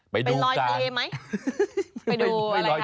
ไปดูการไปลอยทะเลไหม